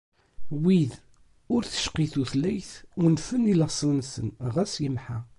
Wid ur teqci tutlayt, unfen i laṣel-nsen ɣas yemḥa.